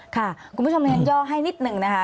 คุณผู้ชมยังยอให้นิดนึงนะคะ